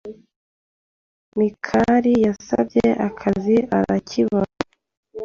Mikali yasabye akazi arakibona.